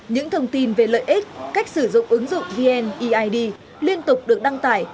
những thông tin về lợi ích cách sử dụng ứng dụng vneid liên tục được đăng tải